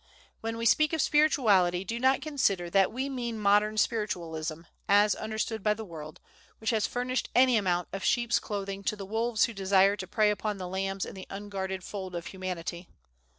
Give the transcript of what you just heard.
When we speak of spirituality, do not consider that we mean modern Spiritualism, as understood by the world, which has furnished any amount of sheep's clothing to the wolves who desire to prey upon the lambs in the unguarded fold of Humanity.